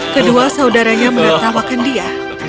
kedua saudaranya menertawakan dia